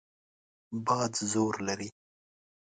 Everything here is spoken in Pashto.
باد زور لري.